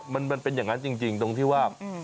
มันเป็นอย่างนั้นจริงตรงที่ว่า